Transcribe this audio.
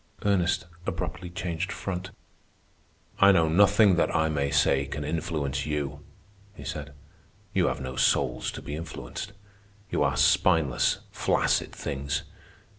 Ernest abruptly changed front. "I know nothing that I may say can influence you," he said. "You have no souls to be influenced. You are spineless, flaccid things.